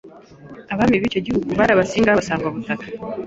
Abami b'icyo gihugu bari Abasinga b'Abasangwabutaka